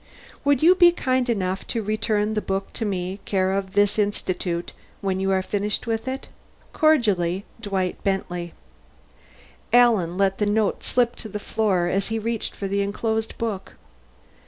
Would you be kind enough to return the book to me c/o this Institute when you are finished with it?_ Cordially, Dwight Bentley Alan let the note slip to the floor as he reached for the enclosed book.